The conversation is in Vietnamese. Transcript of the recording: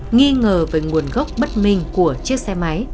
nghi ngờ về nguồn gốc bất minh của chiếc xe máy